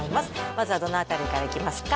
まずはどの辺りからいきますか？